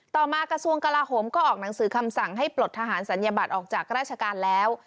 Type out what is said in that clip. ต่อมากระทรวงกลาโหมก็ออกหนังสือคำสั่งให้ปลดทหารศัลยบัตรออกจากราชการแล้ว